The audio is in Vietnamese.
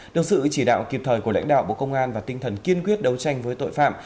được sự chỉ đạo kịp thời của lãnh đạo bộ công an và tinh thần kiên quyết đấu tranh với tội phạm